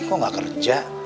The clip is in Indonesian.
kok gak kerja